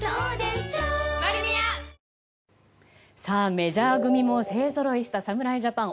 メジャー組も勢ぞろいした侍ジャパン。